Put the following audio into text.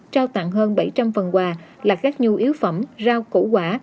trao tặng hơn bảy trăm linh phần quà lạc gác nhu yếu phẩm rau củ quả